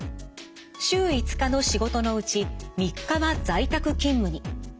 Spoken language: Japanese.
週５日の仕事のうち３日は在宅勤務に。